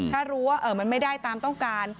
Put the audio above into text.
ถ้ารู้ว่ามันไม่ได้ตามต้องการ